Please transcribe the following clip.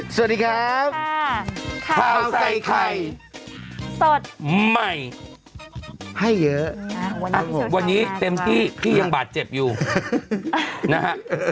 สวัสดีครับข้าวใส่ไข่สดใหม่ให้เยอะวันนี้เต็มที่พี่ยังบาดเจ็บอยู่นะฮะ